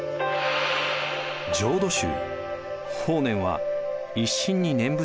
浄土宗。